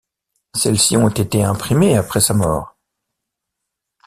Celles-ci ont été imprimées après sa mort.